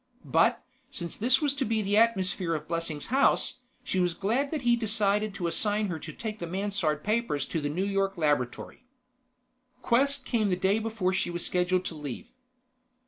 But, since this was to be the atmosphere of Blessing's house, she was glad that he decided to assign her to take the Mansard papers to the New York laboratory. Quest came the day before she was scheduled to leave.